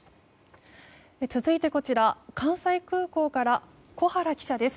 続いてこちら、関西空港から小原記者です。